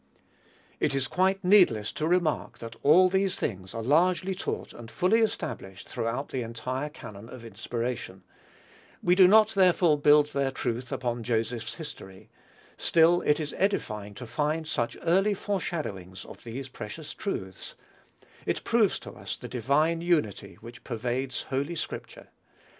It is quite needless to remark, that all these things are largely taught and fully established throughout the entire canon of inspiration: we do not therefore build their truth upon Joseph's history; still it is edifying to find such early foreshadowings of these precious truths: it proves to us the divine unity which pervades holy scripture.